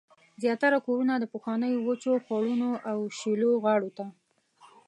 زیاتره کورونه د پخوانیو وچو خوړونو او شیلو غاړو ته